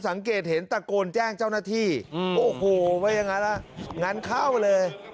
สังเกตเห็นตะโกนแจ้งเจ้าหน้าที่โอ้โหไม่อย่างนั้นอ่ะงั้นเข้าเลย